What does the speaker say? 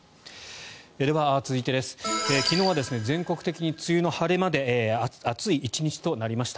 では、続いて昨日は全国的に梅雨の晴れ間で暑い１日となりました。